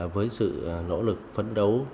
với sự nỗ lực phấn đấu